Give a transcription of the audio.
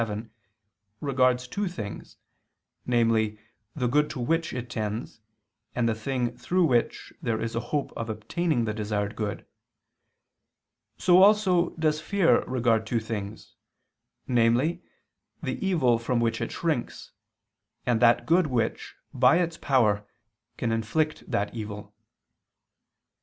7), regards two things, namely, the good to which it tends, and the thing through which there is a hope of obtaining the desired good; so also does fear regard two things, namely, the evil from which it shrinks, and that good which, by its power, can inflict that evil.